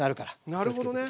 なるほどね。